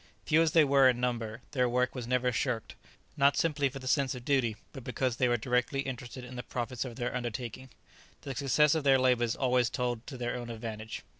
Few as they were in number, their work was never shirked, not simply from the sense of duty, but because they were directly interested in the profits of their undertaking; the success of their labours always told to their own advantage.